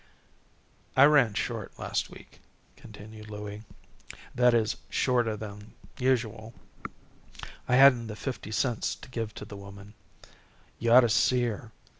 "I ran short last week," continued Louie. "That is, shorter than usual. I hadn't the fifty cents to give to the woman. You ought to see her!